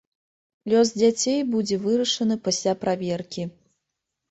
Лёс дзяцей будзе вырашаны пасля праверкі.